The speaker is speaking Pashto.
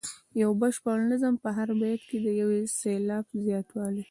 د یو بشپړ نظم په هر بیت کې د یو سېلاب زیاتوالی.